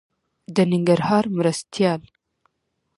د ننګرهار مرستيال